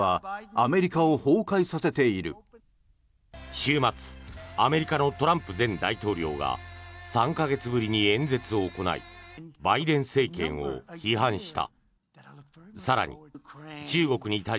週末アメリカのトランプ前大統領が３か月ぶりに演説を行いバイデン政権を批判した。